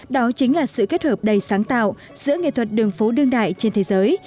đó chính là sự kết hợp đầy sáng tạo giữa nghệ thuật đường phố đương đại trên thế giới